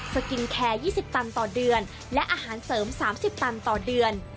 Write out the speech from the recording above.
สกินแคร์๒๐ตันต่อเดือนและอาหารเสริม๓๐ตันต่อเดือน